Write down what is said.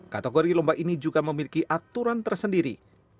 kategori lomba ini juga memiliki aturan tersendiri